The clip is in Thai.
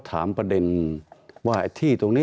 ตั้งแต่เริ่มมีเรื่องแล้ว